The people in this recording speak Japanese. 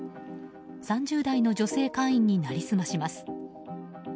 ３０代の女性会員に成り済まします。